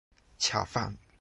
恰饭